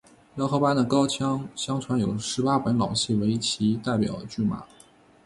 饶河班的高腔相传有十八本老戏为其代表剧码。